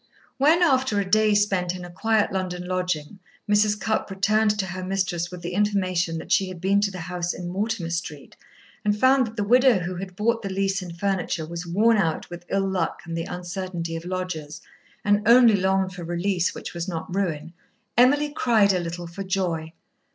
When, after a day spent in a quiet London lodging, Mrs. Cupp returned to her mistress with the information that she had been to the house in Mortimer Street and found that the widow who had bought the lease and furniture was worn out with ill luck and the uncertainty of lodgers, and only longed for release which was not ruin, Emily cried a little for joy.